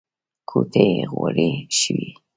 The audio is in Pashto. ګوتې يې غوړې شوې.